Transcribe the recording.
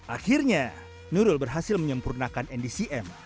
akhirnya nurul berhasil menyempurnakan ndcm